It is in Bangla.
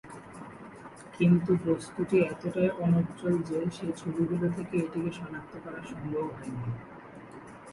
কিন্তু বস্তুটি এতটাই অনুজ্জ্বল যে সেই ছবিগুলি থেকে এটিকে শনাক্ত করা সম্ভব হয়নি।